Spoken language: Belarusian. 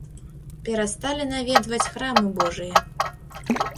Перасталі наведваць храмы божыя.